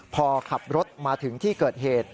พอขับรถมาถึงที่เกิดเหตุ